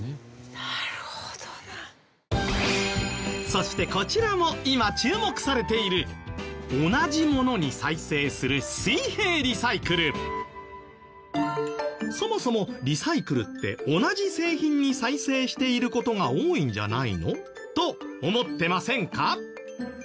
そしてこちらも今注目されているそもそもリサイクルって同じ製品に再生している事が多いんじゃないの？と思ってませんか？